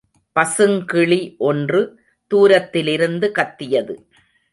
பசுங்கிளி ஒன்று தூரத்திலிருந்து கத்தியது.